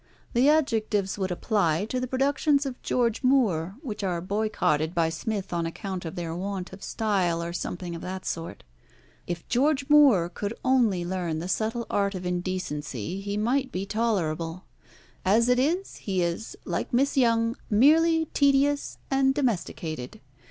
The adjectives would apply to the productions of George Moore, which are boycotted by Smith on account of their want of style or something of the sort. If George Moore could only learn the subtle art of indecency he might be tolerable. As it is, he is, like Miss Yonge, merely tedious and domesticated.